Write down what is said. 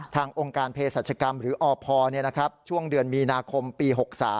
องค์การเพศรัชกรรมหรืออพช่วงเดือนมีนาคมปี๖๓